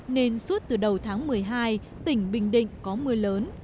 nên suốt từ đầu tháng một mươi hai tỉnh bình định có mưa lớn